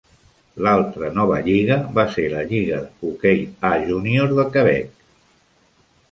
L'altra nova lliga va ser la lligue de hoquei A júnior de Quebec.